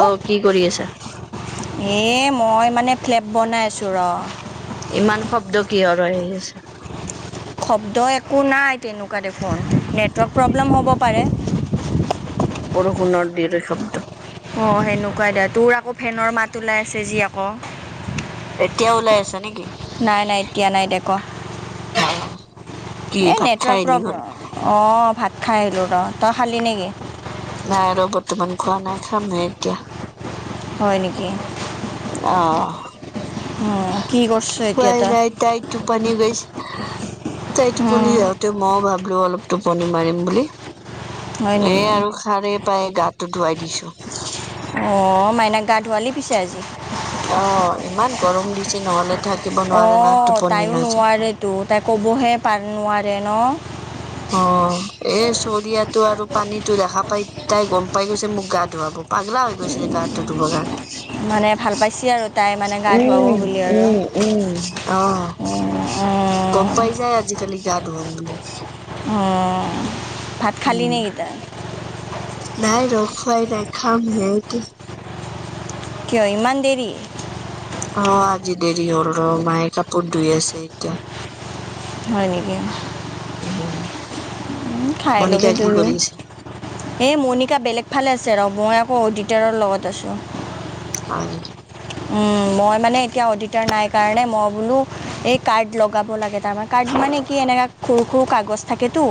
অ' কি কৰি আছা? এ মই মানে ফ্লেপ বনাই আছো ৰ। ইমান শব্দ কিহৰ হৈ আহি আছে? শব্দ একো নাই তেনেকুৱা দেখোন নেটৱৰ্ক প্ৰব্লেম হ'ব পাৰে। বৰষুণৰ দিৰেক্ট শব্দ। অ' সেনেকুৱাই দেয় তোৰ আকৌ ফেনৰ মাত ওলাই আছে যি আকৌ। এতিয়া ওলাই আছা নেকি? নাই নাই এতিয়া নাই দে। অ'। এই নেটৱৰ্ক প্ৰব্লেম অ' ভাত খাই আহিলোঁ ৰ তই খালি নেকি? নাই আৰু বৰ্তমান খোৱা নাই খামহে এতিয়া। হয় নেকি। অ' কি কৰছ এতিয়া হয় তই নাইট টোপানী গৈছ তাইটটোপনি যআঁক তটো মইও ভাবিলো অলপ টোপনি মাৰিম বুলি হয় নেকি এইে আৰু ঠাৰে পায় গাটো ধুৱাই দিছোঁ। অ' মাইনাক গা ধুৱালি পিছে আজি? অ' ইমান গৰম দিছে নহলে থাকিব নোৱাৰে না অ' টোপনি তাইও নাযায় নোৱাৰেটো তাই ক'বহে নোৱাৰে ন। অ' এই চৰিয়াাতটো আৰু পানীটো দেখা পাই তাই গম পাই গৈছে মোক গা ধুৱাব। পাগলা হৈ গৈছে গাহটো ধুবৰ কাৰণে। মানে ভাল পাইচি আৰু। তাই মানে গা ধুৱাব উম, বুলি আৰু উম, উম, অহ। গম পাই যায় আজিকালি গা ধুৱাম বুলি। অ' ভাত। খালি নেকি তই নাই ৰ খুৱাই ন খাম হে কি এতিয়া। কিয় ইমান দেৰি। অ' আজি দেৰি হ'ল ৰ মায়ে কাপোৰ ধুই আছে এতিয়া। হয় নেকি। [unintelligible] খাই মণিকা ল'বি কি দুইও। কৰি আছে এই মণিকা বেলেগ ফালে আছে ৰ মই আকৌ অডিটাৰৰ লগত আছো। হয় নেকি। মই মানে এতিয়া অডিটাৰ নাই কাৰণে মই বোলো এই কাৰ্ড লগাব লাগে। ৰ কাৰ্ড মানে কি এনেকা সৰু সৰু কাগজ থাকেতটো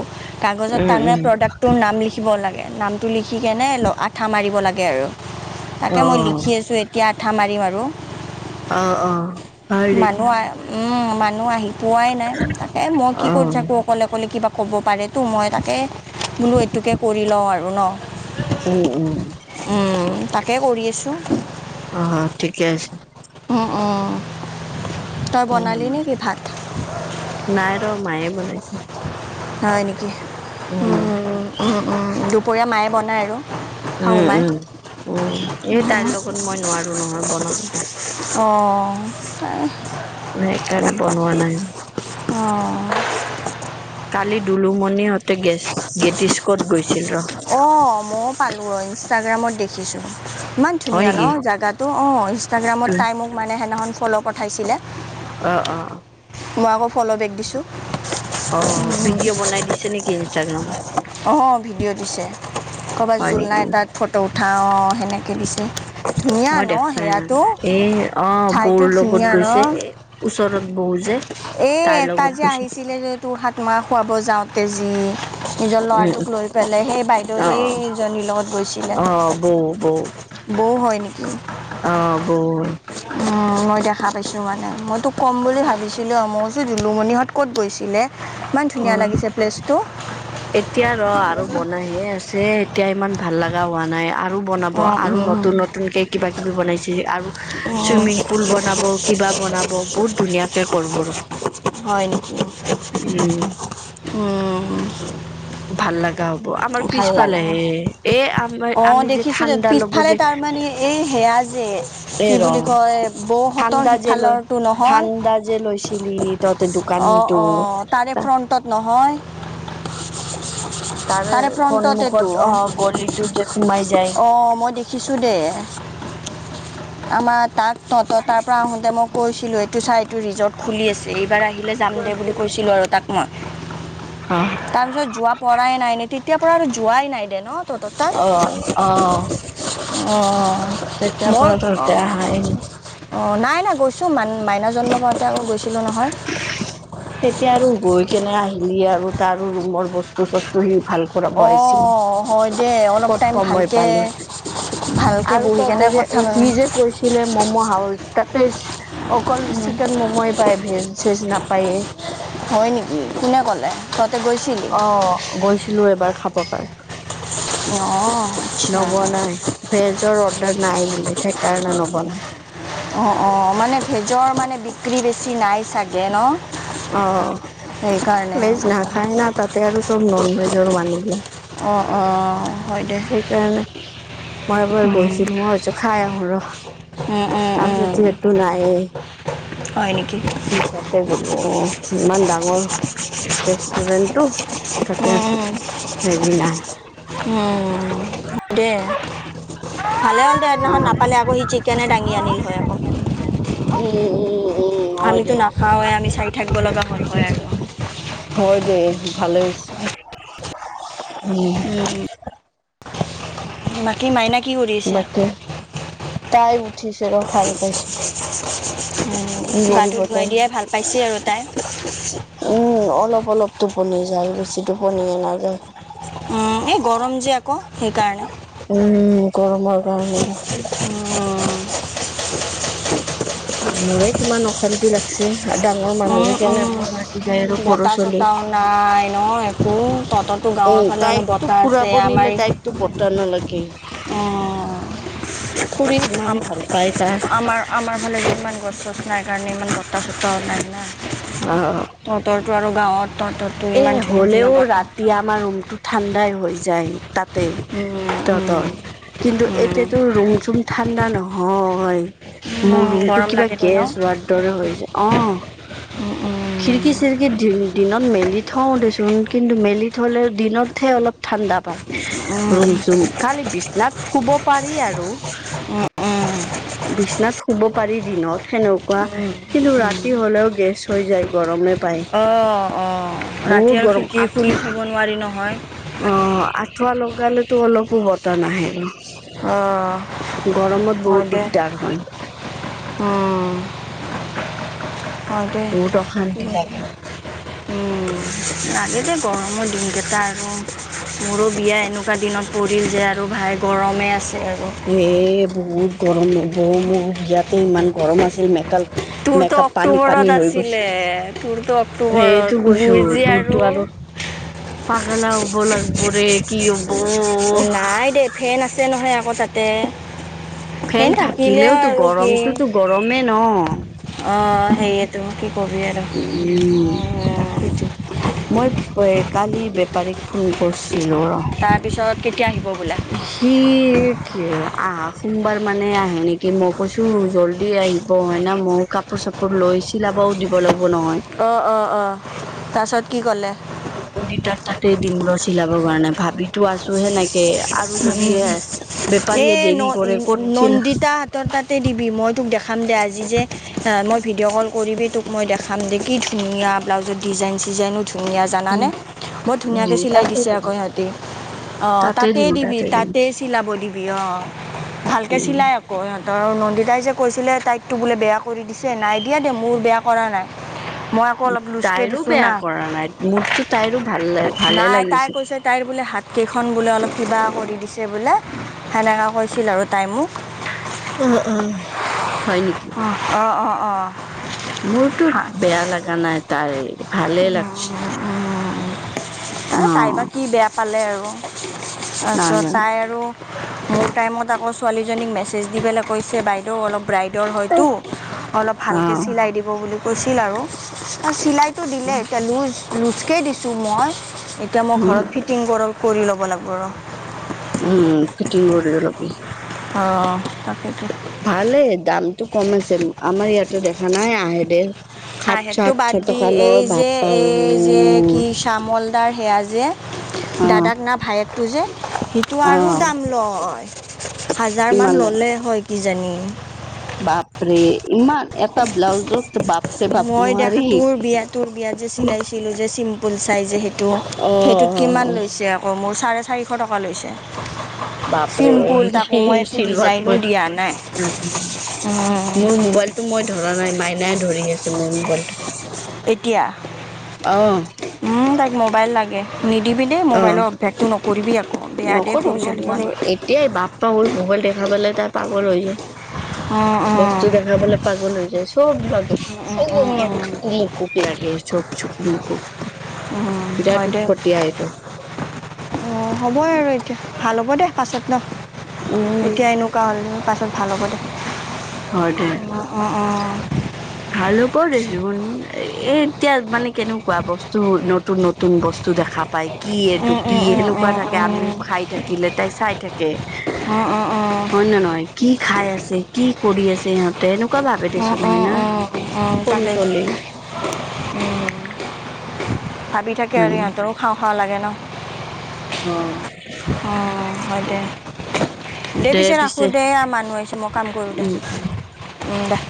কাগজত উম তাৰমানে উম প্ৰডাক্টটোৰ নাম লিখি নামটো লিখি কেনে আঠা মাৰিব লাগে আৰু। তাকে অ মই লিখি আছোঁ এতিয়া আঠা মাৰিম আৰু। অ', অ'। হয় নেকি মানুহ মানুহ আহি পোৱাই নাই তাকে মই কি অ কৰি থাকো। ক'লে ক'লে কিবা ক'ব পাৰেেতো মই তাকে বোলো এইটোকে কৰি লওঁ আৰু ন উম উম উম তাক তাকে কৰি আছোঁ। অহ ঠিকে আছে। উ অ'। নাই ৰ মায়ে বনাইছে। হয় নেকি উম দুপৰীয়া মায়ে বনায় আৰু। উম, শাহু মায়ে উম, উম এই তাইৰ লগত মই নোৱাৰো নহয় বনাব। অ'। সেইকাৰণে বনোৱা নাই। অ'। কালি দুলুমণিহতে গেছ গেটিস্কত গৈছিল ৰ'। অ মই পালো অ ইনষ্টাগ্ৰামত দেখিছো ইমান হয় ধুনীয়া ন নেকি জোগাত তো অ', ইনষ্টাগ্ৰামত তাই মোক মানে সেইদিনাখন ফ'ল' পঠাইছিলে। অ', অ', অ'। মই আকৌ ফল'বেক দিছোঁ। অ', ভিডিঅ' বনাই দিছে নেকি ইনষ্টাগ্ৰামত? অ', ভিডিঅ' দিছে। ক'ৰবাত হয় জোলনা নেকি এতাত ফটো উঠাওঁ অ', সেনেকে দিছে, ধুনীয়া নহ সেয়াটো? এ অ', বৌৰ ঠাইটো লগত ধুনীয়া ন গৈছে, এ ওচৰত বৌ যে। তাইৰ এই তাই লগত যে গৈছে আহিছিলে যে, তোৰ হাত মাৰ খুৱাব যাওঁতে যি? নিজৰ উম ল'ৰাটোক লৈ পেলাই, সেই বাইদেউ অ অ সেইজনীৰ লগত গৈছিলে। অ বৌ বৌ বৌ হয় নেকি? অ', বৌ হয়। উম, মই দেখা পাইছো মানে, মই তোক ক'ম বুলি ভাবিছিলো মোৰ দুলুমণিহঁত ক'ত গৈছিলে? ইমান অ ধুনীয়া লাগিছে প্লেচটো। এতিয়া ৰ' আৰু বনাই হে আছে, এতিয়া ইমান ভাল লগা হোৱা নাই আৰু বনাব, অঁ আৰু উম, নতুন নতুনকে কিবা কিবি বনাইছে আৰু উম, চুইমিং পুল বনাব, কিবা বনাব বহুত ধুনীয়াকে কৰব' ৰ হয় নেকি? উম উম। ভাল লাগা হ'ব, আমাৰ ভাল পিছফালে লাগে হে এ আমাৰ অ', আমি যে দেখিছো দে ঠাণ্ডা ল'ব পিছফালে যে তাৰমানে এই সেয়া যে এ কি ৰ বুলি কয় বৌহঁতৰ ঠাণ্ডা যে লৈ সিফালৰটো নহয়? ঠাণ্ডা যে লৈছিলি তহতে অ', দোকানটো অ', তাৰে ফ্ৰণ্টত নহয়? তাৰে সন্মুখত অ', গলিতটো যে সোমাই যায়। অ', মই দেখিছোঁ দে। আমাৰ তাক তহঁতৰ তাৰ পৰা আহোঁতে মই কৈছিলোঁ, এইটো চা এইটো ৰিজৰ্ট খুলি আছে, এইবাৰ আহিলে যাম দে বুলি কৈছিলোঁ আৰু তাক মই। অ তাৰপিছত যোৱা পৰাই নাই নে, তেতিয়াৰ পৰা আৰু যোৱাই নাই দে ন' তহঁতৰ তাত। অ অ অ'। মই তেতিয়াৰপৰা অ', অ', নাই, নাই গৈছোঁ মান-মাইনা জন্ম পাওঁঁতে আকৌ গৈছিলোঁ নহয়। তেতিয়া আৰু গৈ কেনে আহিলি আৰু, তাৰো ৰুমৰ বস্তু চস্তু সি ভাল [unintelligible] আহিছিল অ' হয় দে অলপ ক'ত টাইম সময় ভালকে পালি? ভালকে আৰু বহি কেনে তহঁতে যে, কথা এ পাতিম। সি যে কৈছিলে ম'ম' হাউচ, তাতে অকল চিকেন ম'ম' পায়, ভেজ-ছেজ নাপায় এ। হয় নেকি, কোনে ক'লে তহঁতে গৈছিলি? অ', গৈছিলো এবাৰ খাব কাৰণে। অ'। আচ্ছা নবনাই, ভেজৰ অৰ্ডাৰ নাই বোলে সেইকাৰণে নবনাই। অ', অ', মানে ভেজৰ মানে বিক্ৰী বেছি নাই চাগে নহ? অ', ভেজ নাখায় না, তাতে আৰু চব নন ভেজৰ মানুহবিলাক। অ', অ', হয় দে। সেইকাৰণে, মই এবাৰ উম, গৈছিলোঁ মই ভাবিছো খাই আহো ৰ' উম, উম, তাৰপিছত উম। যিহ তো নায়ে। হয় নেকি মিছাতেই গ'লো অ'। ইমান ডাঙৰ ৰেষ্টুৰেণ্টটো, তাতে উম, উম, হেৰি নাই উম, হয় দে। ভালে হ'ল দে সেদিনাখন নাপালে, আকৌ সি চিকেনে দাঙি আনিল হয় আকৌ। উম, উম। উম হয় আমিতো দে নাখাওঁৱে আমি চাই থাকিব লগা হল হয় আৰু। হয় দেই ভালে হৈছে উম। বাকী মাইনা কি কৰিছে? বাকী তাই উঠিছে ৰ খাল পাইছো। গাটো ধুৱাই দিয়াই ভাল পাইছে আৰু তাই। উম অলপ অলপ টোপনি জাল বেছি টোপন নায় দে। এই গৰম যে আকৌ সেইকাৰণে। উম গৰমৰ গৰমৰ উম মোৰে কিমান অশান্তি লাগ ডাঙৰ মানুহৰে কেনেকৌ লাগি যায় আৰু সৰু ছোৱালী প্ৰাই ন একো তততো গাঁৱৰ ফালে অলপ বতাহ আছে, আমাৰ টো পতা নালাগে ফুৰি আম ইমান ভাল পায় তাৰ। আমাৰ আমাৰ ফালে ইমান গছ চছ নাই কাৰণে ইমান বতহ চতাহও নাই না। অ তহঁতৰটো আৰু গাঁৱত তহঁত এ হ'লেও ৰাতি আমাৰ ৰুমতটো ঠাণ্ডাই হৈ যায়, তাত তে তহঁতৰ কিন্তু এতিয়াতো ৰুম চুম ঠাণ্ডা নহয়। মোৰ ৰুমটো গৰম কিবা লাগে দে ন গেছ ৰোৱাৰ দৰে হৈ যায়, অ' খিৰি কি চিৰিক দিনত মেলি থওঁ দেচোন কিন্তু মেলি থলে দিনতহে অলপ ঠাণ্ডা পায়, ৰুম চুম খালি বিছনাত শুব পাৰি আৰু। বিছনা শুব পাৰি দিনত সেনেকুৱা কিন্তু ৰাতি হ'লেও গেছ হৈ যায় গৰমে পায়। অ', অ' বহুত ৰাতি আৰু গৰম খিৰিকী আঠু খুলি থ'ব নোৱাৰি নহয়। অ' আঠুৱা লগালেতো অলপো বতাহ নাহে আৰু। অ', গৰমত বহুত দিগদাৰ হয়। অ' হওঁকদে বহুত অশান্তি লাগে। উম লাগে দেই গৰমৰ দিনকেইটা আৰু। মোৰো বিয়া এনেকুৱা দিনত পৰিল যে আৰু ভাই গৰমে আছে আৰু। এ বহুত গৰম বৌ মোৰ বিয়াতে ইমান গৰম আছিল, মেকাল তোৰতো অক্টোবৰত আছিলে তোৰতো অক্টোবৰ, সেইটো কৈছো বুৰ্জি তোৰতো আৰু পাগলা হ'ব লাগব ৰে কি হ'ব। নাই দে। ফেন আছে নহয় আকৌ তাতে, ফেন থাকিলেও আৰু কি গৰমেই ন অ' সেইয়েটো কি কবি আৰু। উম তাকেটো। মই কালি বেপাৰীক ফোন কৰিছিলো ৰ তাৰপিছত কেতিয়া আহিব বোলে। সি কি আহা সোমবাৰ মানে আহে নেকি, মই কৈছো জল্দি আহি ব হয় না মই কাপোৰ চাপোৰ লৈ চিলাবও দিব লাগিব নহয়। অ', অ', অ' তাৰপাছত কি ক'লে। সিহ'তৰ তাতে দিম ৰ চিলাব কাৰণে ভাবি ঠোৱা আছে হে এনেকে। উম এই ন দেৰি কৰে ক'তছিল নন্দিতা তৰ তাতে দিবি মই তোক দেখাম দে আজি যে মই ভিডিঅ' কল কৰিবি তোক মই দেখাম। আম দে কি ধুনীয়া ব্লাউজৰ ডিজাইন চিজাইনো ধুনীয়া জানানে উম বৰ ধুনীয়াকৈ উম চিলাই তাতে দিছে দিম আকৌ সিহঁতি। অ' তাতে তাতেই দিম দিবি তাতে দিম তাতেই চিলাব দিবি অ' ভালকৈ উম চিলাই সিহঁতৰ নন্দীতাই যে কৈছিলে তাইকতো বোলে বেয়া কৰি দিছে, নাই দিয়া দে মোৰ বেয়া কৰা নাই। মই আকৌ অলপ লুজকে তাইৰো দিছো বেয়া না, কৰা নাই মোৰতো তাইৰো ভাল ভালে নাই তাই লাগিছে কৈছে তাইৰ বোলে হাতকেইখন বোলে অলপ কিবা কৰি দিছে বোলে সেনেকে কৈছিল আৰু তাই মোক। অ', অ', হয় নেকি। অ', অ', অ'। মোৰতো বেয়া লাগা নাই, তাই ভালে লাগছে উম, অ এই তাই বা কি বেয়া পালে আৰু তাৰপিছত তাই নাজানো আৰু মোৰ টাইমত আকৌ ছোৱালীজনীক মেছেজ দি পেলাই কৈছে বাইদেউ অলপ ব্ৰাইড হয়তো অলপ ভালকৈ অ', চিলাই দিব বুলি কৈছিল, আৰু চিলাই দিমেই এতিয়া লুজ, লুজ কে দিছোঁ মই এতিয়া মই উম, ঘৰত ফিট কটিং কৰ-কৰি ল'ব লাগব ৰ'। উম, ফিটিং কৰি লবি অলপ। অ', তাকেইেতো। ভালে দামটো কম আছে আমাৰ ইয়াতে দেখা নাই আহে দে আহ সাতশ, সেইটো আঠশ বাদ দি টকা লয়, বাপা ঐ। শ্যামল দা সেয়া যে অ', দাদাক না ভায়েকটো যে সিটো আৰু অ'। দাম লয়। হাজাৰ মান কিমান লয়, ল'লে হয় কিজানি। বাপৰে ইমান এটা ব্লাউজও মই দেখা তোৰ বিয়া তোৰ বিয়াত যে চিলাইছিলোঁ যে চিম্পুল চাইজে সেইটো, সেইটো কিমান অ', লৈছে আকৌ, মোৰ চাৰে চাৰিশ টকা লৈছে। বাপৰে চিম্পুল তাকো সেই মই একো ডিজাইনো চিলভাতকৈ দিয়া নাই। মোৰ মোবাইলটো মই ধৰা নাই, মাইনাই ধৰি আছে মোৰ মোবাইলটো। এতিয়া, অ', উম, তাইক মোবাইল লাগে। নিদিবি দেই অ'। মোবাইলৰ অভ্যাসটো নকৰিবি আকৌ বেয়া দে সৰু চলিৰ কাৰণে। এাই বাপ ঔ ম'বাইল দেখা পালে তাই পাগল হৈ যায়, বস্তু কাৰণে দেখা পালে পাগল হৈ যায় চব উম, উম, উম, [inaudible] উম, হয় বিৰাট দে। উৎপত্তিয়া এইটো। অ', হ'বই আৰু এতিয়া ভাল হ'ব দে পাছত নহ, উম। এতিয়া এনেও [unintelligible] পাছত ভাল হ'ব দে। হয়, দে। অ', অ', অ'। ভাল হ'ব দে চোন এ, এ, এতিয়া মানে কেনেকুৱা বস্তু নতুন, নতুন নতুন বস্তু দেখা পায়। কি এইটো উম, কি উম, উম, সেনেকুৱা উম, থাকে উম, আমিও খাই থাকিলে তাই চাই থাকে। অ', অ', অ', হয়নে নহয়, কি খাই আছে কি কৰি আছে ইহঁতে এনেকুৱা ভাবে দে চোন হয়, না। অ', সৰু তাকটো ছোৱালী উম, ভাবি ভাবি থাকে আৰু উম ইহঁতৰো খাওঁ, খাওঁ লাগে ন! অ অ', হয়, দে। দে পিছে ৰাখোঁ দে, এইয়া মানুহ আহিছে। মই কাম কৰোঁ দে। উম উম, দে।